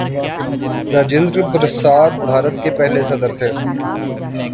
راجندرہ پرساد بھارت کے پہلے صدر تھے.